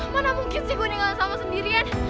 mana mungkin sih gue tinggalin salma sendirian